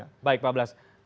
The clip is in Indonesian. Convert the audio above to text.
ya baik pak blas